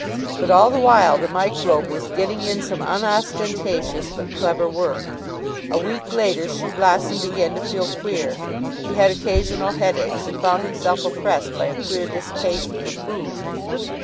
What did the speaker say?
But all the while the microbe was getting in some unostentatious but clever work. A week later Shoeblossom began to feel queer. He had occasional headaches, and found himself oppressed by a queer distaste for food.